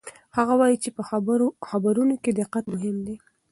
هغه وایي چې په خبرونو کې دقت مهم دی.